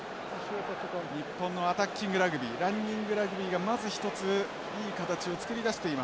日本のアタッキングラグビーランニングラグビーがまず一ついい形を作り出しています。